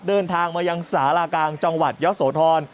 เดินทางมายังสารากลางจังหวัดยะโสธร